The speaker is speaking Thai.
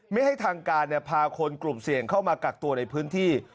ไม่ให้ทางการพาคนกลุ่มเสี่ยงเข้ามากักตัวในพื้นที่